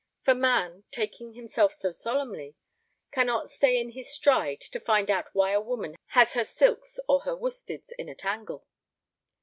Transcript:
For man, taking himself so solemnly, cannot stay in his stride to find out why a woman has her silks or her worsteds in a tangle.